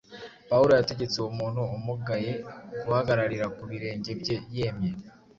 Pawulo yategetse uwo muntu umugaye guhagararira ku birenge bye yemye.